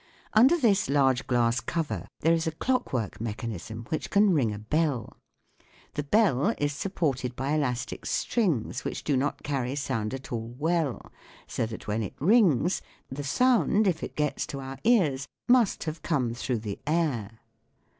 Under this large glass cover there is a clockwork mechanism which can ring a bell. The bell is supported by elastic strings which do not carry sound at all well, so that when it rings, the sound, if it gets to our ears, must have come through the air.